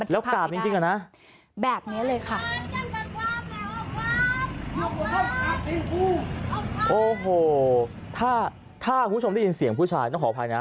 แล้วกลาบจริงกันนะแบบนี้เลยค่ะถ้าผู้ชมได้ยินเสียงผู้ชาย